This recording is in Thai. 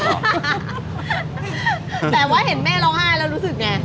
แต่ว่าเห็นแม่ร้องไห้แล้วรู้สึกไง